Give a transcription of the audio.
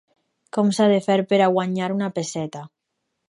Com s'ha de fer per a guanyar una pesseta!